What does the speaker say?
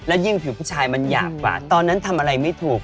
ยิ่งผิวผู้ชายมันหยาบกว่าตอนนั้นทำอะไรไม่ถูก